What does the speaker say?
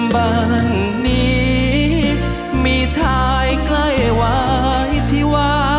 บ้านนี้มีชายใกล้ไหว